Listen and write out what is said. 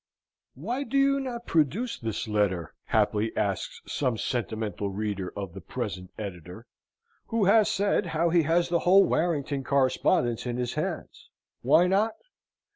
Why do you not produce this letter? haply asks some sentimental reader, of the present Editor, who has said how he has the whole Warrington correspondence in his hands. Why not?